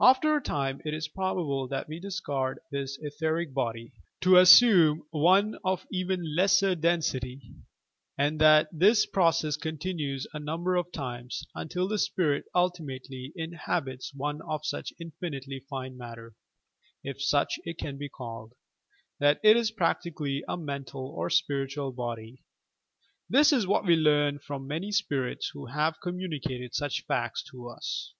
After a time it is probable that we discard this etheric body, to assume one of even lesser density, and that this process continues a number of times, until the spirit ultimately inhabits one of such infinitely fine matter, — if such it can be called, — that it is practically a mental or spiritual body. This is what we learn from many "spirits" who have communicated such facta to us.